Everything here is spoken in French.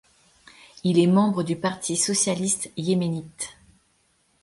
Il est membre du Parti socialiste yéménite.